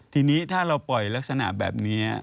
ทีนี้ถ้าเราปล่อยลักษณะแบบนี้